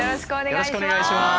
よろしくお願いします！